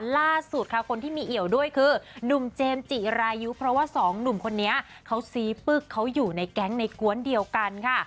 ล่าสุดค่ะคนที่มีเอี่ยวด้วยคือนุ่มเจมส์จิรายุเพราะว่าสองหนุ่มคนนี้เขาซีปึ๊กเขาอยู่ในแก๊งในกวนเดียวกันค่ะ